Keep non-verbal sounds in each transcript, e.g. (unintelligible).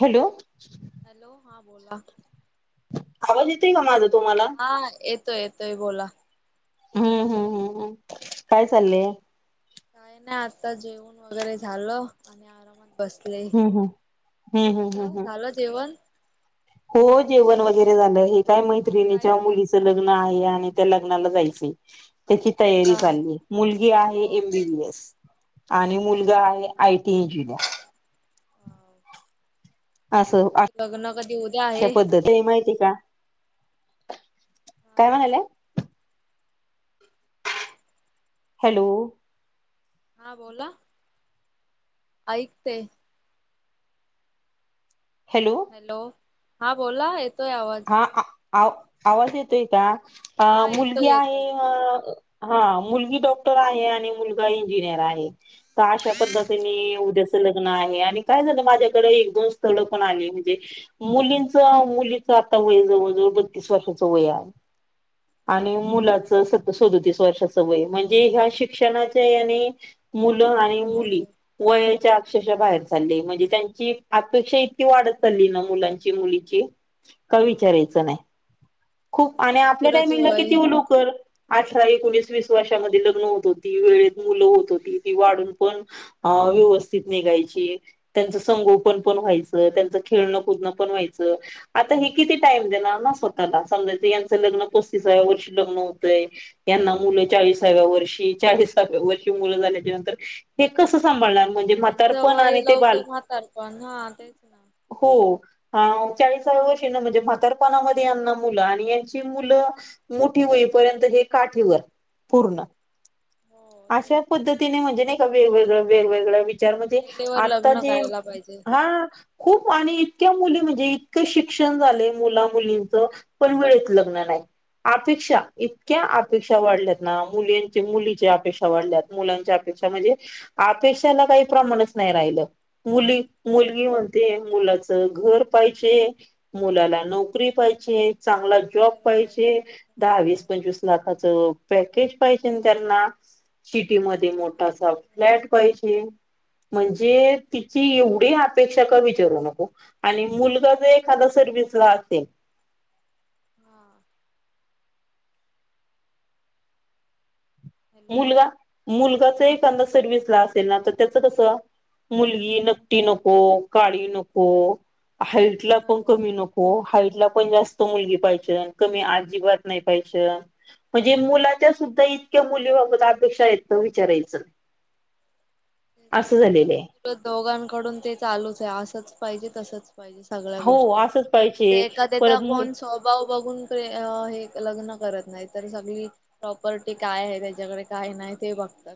Hello. Hello हां बोला. आवाज येते का माझा तुम्हाला! हा येतोय येतोय बोला. हम्म हम्म हम्म हम्म काय चाललेय. काय ना आता जेवण वगैरे झालं आणि आरामात बसले हम्म हम्म हम्म हम्म तुमचं हम्म हम्म झालं जेवण. हो जेवण वगैरे झालं हे काय मग काय मैत्रिणीच्या मुलीच चाललं लग लग्न आहे आणि त्या लग्नाला जायच. त्याची तयारी अच्छा चालली मुलगी आहे. हो एमबीबी एस. आणि अच्छा मुलगा आहे. I T engineer. हो. असं (unintelligible) कधी उद्या अशा आहे पद्धती ते माहिती का काय हा म्हणायला. हॅलो. हा बोला. ऐकते. हॅलो. हॅलो हा बोला येतोय आवाज. आ आ आवा आवा येतोय का अ हा मुलगी येतोय येतोय. आहे. हा मुलगी डॉक्टर आहे. आणि मुलगा इंजिनियर आहे. अशा पद्धतीने उद्या च लग्न आहे काय झालं माझ्याकडे एक, दोन स्थळ पण आली म्हणजे मुलींचं मुली आता वय जवळ जवळ बतीस वर्षाच वय आहे आणि बापरे मुलाच एवढं सदु तीस वर्षाच वय म्हणजे ह्या शिक्षणाच्या याने मुलं आणि हा मुली होय वयाच्या अक्षश बाहेर चाले म्हणजे त्यांची अपेक्षा इतकी वाढत चालली ना मुलांची मुलीची का हा विचारायचं नाही खूप म्हणजे आणि आपल्या भरपूरच टाइमिंगला वय किती उलव कर. अठरा एकोणीस वीस वर्षामध्ये लग्न होत होती. वेळेत मुलं होत होती. ती वाढून पण अ व्यवस्थित निघायची. त्यांचं संगोपन पण व्हायचं त्यांचं खेळणं, कुदणं पण व्हायचं आता हे किती टाईम देणार ना स्वतःला समजा यांचं लग्न पस्तीसाव्या वर्षी ल्न होतय यांना मुलं चाळीसाव्या वर्षी चाळी हो वर्षी मुलं झाल्याच्या नंतर हे कसं सांभाळणार. म्हणजे ह्यांचं म्हातारपण वय आणि ते बाल लवकर म्हहात पण हा तेच ना. हो चाळीस. म्हणजे म्हातारपणामध्ये यांना मुलं आणि यांची मुलं मोठी होईपर्यंत हे काठीवर पूर्ण हो तेच शा पद्धतीने म्हणजे नाही का वेगवेगळं, वेगवेगळ्या ज म्हणज वेळेवर आता लग्न जे करायला पाहिजे हा खूप आणि इतक्या मुली म्हणजे शिक्षण झाले मुला मुलींच पण वेळेत लग्न नाही. अपेक्षा इतक्या अपेक्षा वाढल्यात ना मुलींची, मुलीची अपेक्षा वाढल्यात. मुलांच्या अपेक्षा म्हणजे अपेक्षाला काही प्रमाणच नाही राहिलं. मुली, मुलगी म्हणते मुलाच घर पाहिजे. मुलाला नोकरी पाहिजे चांगला. जॉब सर्व पाहिजे दहावीस, हो पंचवीस लाखाच पॅकेज पाहिजे त्यांना सिटी तेच मध्ये ना. मोठासा फ्लॅट पहिज. म्हणजे तिची एवढी अपेक्षा कर विचारू नको आणि मु एखादा सर्वस ला असेल हा हॅलो मुलगा, मुलगाचा हा एखादा सर्विसला असेल ना तर त्याचं कसं मुलगी नक्टी नको, काळी नको. हाईट ला हो पण हो कमी नको हाईट ला पण जास्त मुलगी पाहि क अजिबात नाही पाहि म्हणजे मुलाच्या सुद्धा इतक्या मुली अपेक्षा येतं विचारायचं ते असं आता झालेलं आहे भरू दोघांकडून ते चालूच आहे असंच पाहिजे तसंच े सगळ्या हो गोष्टी असंच पाहिजे एखाद्याचा परत मु कोण स्वभाव बघून हे लग्न करत नाही तर सगळी प्रॉपर्टी काय आहे त्याच्याकडे काय नाही ते बघतात.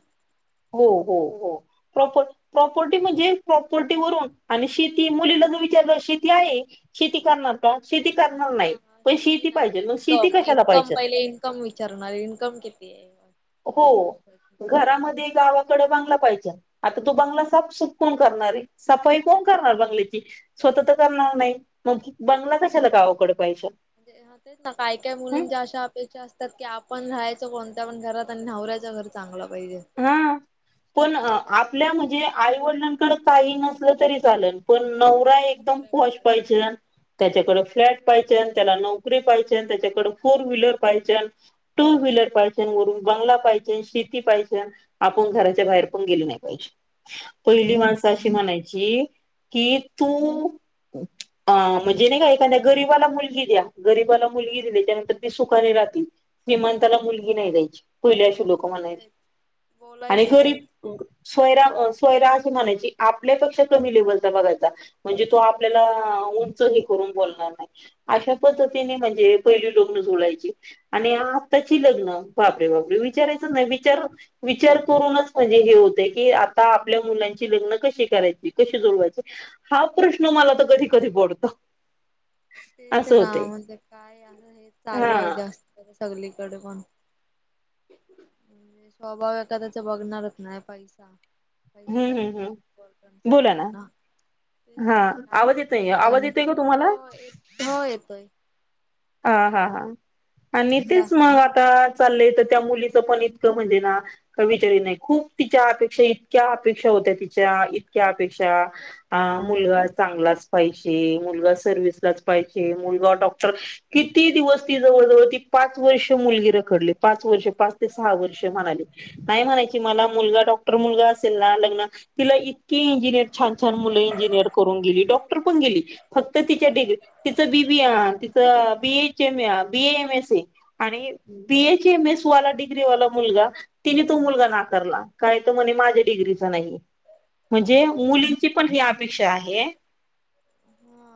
हो हो हो प्रॉपर प्रॉपर्टी म्हणजे प्रॉपर्टीवरून आणि शेती मुलीला जर विचारलं शेती आहे. शेती करणार प शेती करणार नाही पण शेती पाहिजे शेती कशाला पाहिजे. कम विचारणार इन्कम किती आहे. हो घरामध्ये गावाकडे बांगला पाहिजे- आता तो बंगला साफसुफ कोण करणार आहे सफाई कोण करणार बंगल्याची स्वत तर करणार नाही मग बंगला कशाला म्हणजे कवकड पायच्या तेच ना काय काय मुलींच्या अशा ेा असतात की आपण राहायचं कोणत्या पण घरात आणि नवरायचं घर चांगलं पाहिजे. हा पण काही काय आपल्या म्हणजे आईवडिलांकड काही नसलं तरी चालं. पण नवरा एकदम पोहोच पायचे. त्याच्याकड फ्लॅट पाहिजन, त्याला नोकरी पाहिजे, त्याच्याकड फोर व्हीलर पाहिज. टू व्हीलर पाहिजे, वरून बंगला पाहिजे, शेती पाहिजे. आपण घराच्या बाहेर पण गेल नाही पाहिजे पहिली हो माणसं तेच अशी म्हणायची के तू ह म्हणजे नाही का एखाद्या गरीिबाला मुलगी द्या गरीबाला मुलगी दिली त्यानंतर ती सुखाने राहती. श्रीमंताला राहते मुलगी हो नाही द्यायची पहिले अशी लोकं हो म्हणायची. तेच आणि बोलायची तेच गरीब स्वयरा स्यरा असशी म्हणायची आपल्यापेक्षा कमी लेवलचा बघायचा. म्हणजे तो आपल्याला उंच हे करून बोलणार नाही अशा हा पद्धतीने म्हणजे पहिली लग्न सोडायची आणि आताची लग्न बाबरे बाबरे विचारायचं नाही विचार विचार करूनच म्हणजे हे होतय की आता आपल्या मुलांची लग्न कशी करायची कशी जोडवायची? हा प्रश्न मला तर कधी कधी पडतो तेच असं नाव होते म्हणजे काय असं हे हा चालू आहे जास्त सगलीकडे पण म्हणजे स्वभाव एखाद्याचा बघणारच नाही पैसा पैसा हम्म जास्त हम्म हम्म इम्पॉर्टं बोला ना सर्वांना तेच हा ना काय आवाज येतोय सांगायचं आवाज आणि येतोय का तुम्हाला हो एक येतोय हा हा हां आणि ते तेच जास्त मग आता चाललंय तर त्या मुलीच पण इतकं म्हणजे ना कतरी नाही खूप तिच्या अपेक्षा इतक्या अपेक्षा होत्या तिच्या इतक्या अपेक्षा अ मुलगा चांगलाच पाहिजे मुलगा सर्विसलाच पाहिजे मुलगा डॉक्टर किती दिवस ती जवळजवळ ती पाच वर्ष मुलगी रखडली पाच वर्ष पाच ते सहा वर्ष म्हणाले नाही म्हणायची मला मुलगा डॉक्टर मुलगा असेल ना लग्न तिला इतकी इंजिनिअर छान छान मुलं इंजिनिअर करून गेली डॉक्टर पण गेली फक्त तिच्या डिग्री तिचं बी बी तिच BH M BA M S A आणि बीएस एम एस वाला डिग्रीवाला मुलगा तिने तो मुलगा नाकारला काय तो म्हणे माझ्या डिग्रीचा नाही म्हणजे मुलींची पण ही अपेक्षा आहे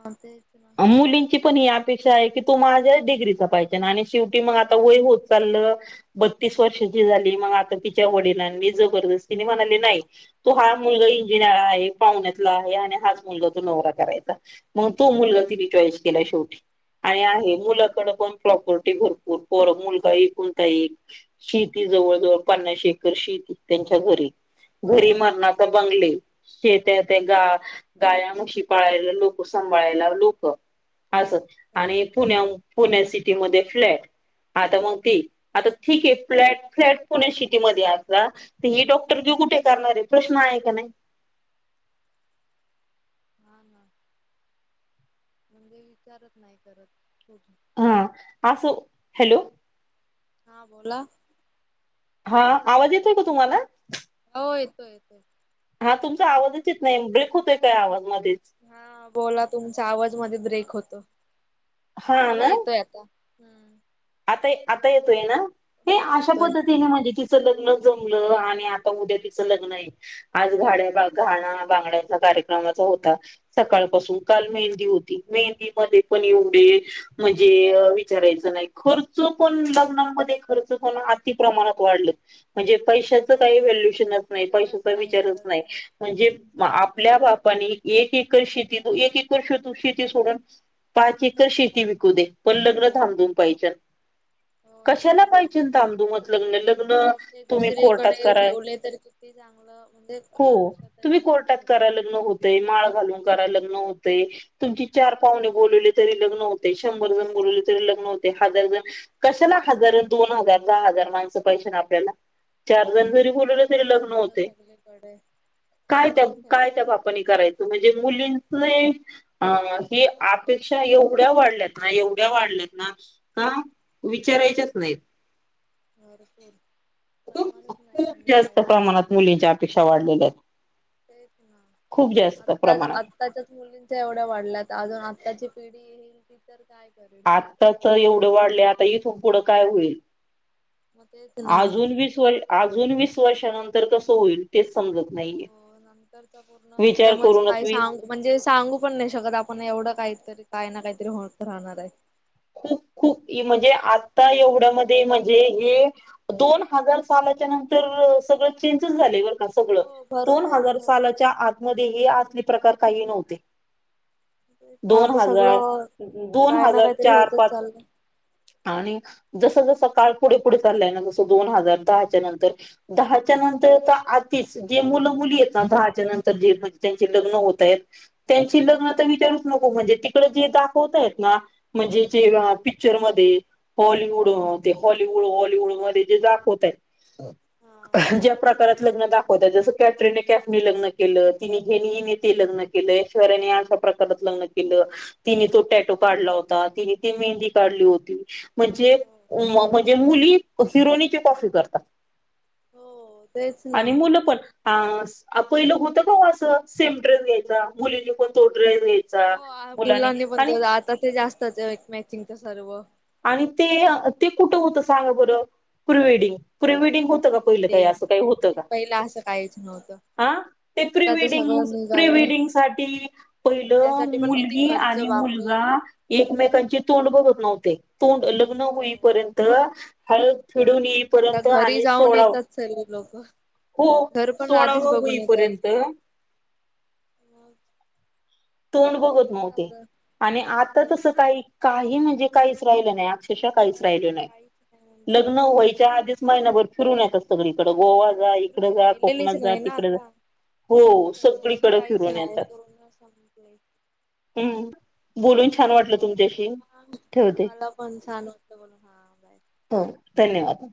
हा तेच ना मुलींची पण ही अपेक्षा आहे की तू माझ्या डिग्रीच पाहिजे ना आणि शेवटी मग आता वय होत चाललं बत्तीस वर्षाची झाली मग आता तिच्या वडिलां मी जबरदस्तीने म्हणाली नाही तू हा मुलगा इंजिनिअर आहे पाहुण्यातला आहे आणि हाच मुलगा तो नवरा करायचा मग तो मुलगा तिने चॉईस केला शेवटी आणि आहे मुलाकड पण प्रॉपर्टी भरपूर मुलगा एक कोणता एक शेती जवळ जवळ पन्नाशे एकर शेती त्यांच्या घरी घरी मरणा तर बंगले शेत ते गा गायामुशीी पाळायला लोक सांभाळायला लोक असं हो आणि पुण्या पुण्या सिटीमध्ये फ्लॅट आता मग ती आता ठीक आहे फ्लॅट फ्लॅट पुण्या सिटीमध्येध्ये असला तर ही डॉक्टर जे कुठे करणार आहे प्रश्न आहे का नाही ह ना म्हणजे विचारत नाही करत कठ हा आसो हॅलो हा बोला हा आवाज येतोय का तुम्हाला हो येतोय येतोय हा तुमचा आवाजच येत नाही ब्रेक होतोय काय आवाज मध्येच हा बोला तुमचा आवाज मध्ये ब्रेक होतो हा बोला ना येतोय आता हम्म आता आता येतोय ना हे हो अशा येतोय पद्धतीने म्हणजे ति त लग्न जमलं आणि आता उद्या तिचं लग्न आहे आजाड घाणा बांगड्यांचा कार्यक्रमाचा होता सकाळपासून काल मेहंदी होती मेहंदी मध्ये पण एवढे म्हणजे विचारायचं नाही खर्च पण लग्नामध्ये खर्च पण अति प्रमाणात वाढलं म्हणजे पैशाचं काही हो व्हॅल्युशनच नाही विचारच पैशाचा नाही विचारच करत नाही हो म्हणजे आपल्या सगळीकडेच बापानी एककर शेती एककर श शेती सोडून पाच एकर शेती विकू दे पण लग्न थांबधून पाहिज हो तेच कशाला ना पाहिजे असं तांदूमत लग्न तेच लग्न तुम्ही कोर्टात कराय ते चांगलं म्हणजे हो कश तुम्ही तरी कोर्टात होते करा लग्न माळ घालून कराय लग्न होते तुमची चार पाहुणे बोलवले तरी लग्न होते ते शंभर जण बोलवले तरी लग्न हो हजारण कशाला हजार दोन हजार दहा हजार माणसं पैश ना आपल्याला चार जण तेच जरी ना बोलले तरी लग्न खर्च होते सगळीकडे काय त्या फुकटचा काय खर्च त्या बापानी करायच म्हणजे मुलींच अ ही अपेक्षा एवढ्या वाढल्यात ना एवढ्या वाढल्यात ना का विचारायच्याच नाहीत भरपूर प्रमाणच नाही खूप म्हणजे जास्त काय प्रमाणात मुलींच्या अपेक्षा वाढलेल्या आहेत तेच ना खूप जास्त आता आ प्रमाणात आत्ताच्याच मुलींच्या एवढ्या वाढल्यात अजून आत्ताची पिढी येईल ती तर काय करेल आ एवढं वाढले आता इथून पुढं काय होईल मग तेच ना अजून बीस व अजून वीस वर्षानंतर कसं होईल तेच समजत नाहीये हो नंतरच पूर्ण विचार एकदमच करूनच काही मी सांग म्हणजे सांगू पण नाही शकत आपण एवढं काहीतरी काय ना काहीतरी होत राहणार आहे खूप खूप म्हणजे आता एवढ्या म म्हणजे हे दोन हजार सालाच्या नंतर सगळ चेंजस झाले सगळ हो दोन भरपूर हजार भरपूर सालाच्या आतमध्ये हे असले प्रकार काही नव्हते मग दोन आता हजार सगळं दोन काय ना हजार काहीतरी चार पाच होतच चाललं. आणि जसं जसं काळ पुढे पुढे चाललाय ना जसं दोन हजार दहाच्या नंतर दहाच्या नंतर तर आधीच जे मुलं मुली य ना दहाच्या नंतर जे म्हणजे त्यांचे लग्न होत आहेत त्यांची लग्न तर विचारूच नको म्हणजे तिकडं जे दाखवताय ना म्हणजे जेव पिक्चरमध्येध्ये हॉलिवूड ते हॉलिवूड हॉलिवूड मध्ये जे दाखवतात ज्या प्रकारे लग्न दाखवतात जस कॅटरीना कॅफनी लग्न केलं, तिने हेनी ते लग्न केलं, ऐश्वर्याने अशा प्रकारे परत लग्न केलं. तिने तो टॅटो काढला होता. तिने ती मेहंदी काढली होती. म्हणजे म्हणजे मुली हिरोनीची कॉफी करतात. हो तेच ना आणि मुलं पण हा पहिलं होतं का असं सेम ड्रेस घ्यायचा. मुलीनी कोण तो ड्रेस द्यायचा. हो मुलानी मुलांनी आणि पण आता ते जास्तच एक मॅचिंगच सर्व आणि ते ते कुठं होतं सांग बरं प्रिवेडिंग प्रिवेडिंग होत का प्री पहिलं काही असं काही होतं वेडिंग का? पहिला असं काहीच नव्हतं हा ते आता प्रीवेडिंग सगळं निघालंय प्रीवेडिंग साठी पहिलं त्यासाठी पण मुल- किती -गी खर्च आणि बापरे मुलगा एकमेकांची तोंड बघत नव्हते. तोंड लग्न होईपर्यंत हळद फिडून येई आता घरी जाऊन येतात सर्व लोक हो घर पण आधीच सोळावं होईपर्यंत म तोंड बघत नव्हते आणि आता तसं काही काही म्हणजे काहीच राहिलं आता नाही रा काहीच नाही ल् म्हणजे वच्या कशाला आधीच महिभरर सगळीकडं गोवा जा इकडे संस्कृती जा कोकणात राहिलेलीच जा नाही ना तिकडे जा आता हो संस्कृती सगळीकडे काहीच फिरून नाही येतात. पूर्ण संपली हम्म बोलून तेच छान ना वाटलं तुमच्याशी ठेवते मला पण छान वाटलं बोलून हा बाय हो धन्यवाद.